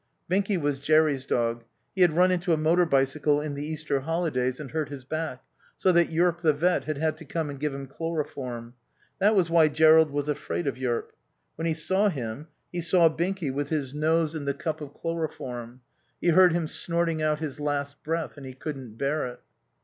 Binky was Jerry's dog. He had run into a motor bicycle in the Easter holidays and hurt his back, so that Yearp, the vet, had had to come and give him chloroform. That was why Jerrold was afraid of Yearp. When he saw him he saw Binky with his nose in the cup of chloroform; he heard him snorting out his last breath. And he couldn't bear it.